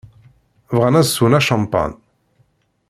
Bɣan ad swen acampan.